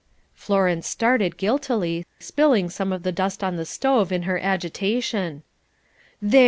Florence started guiltily, spilling some of the dust on the stove in her agitation. "There!